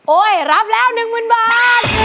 โอ้ยรับแล้ว๑๐๐๐บาท